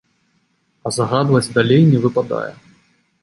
А загадваць далей не выпадае.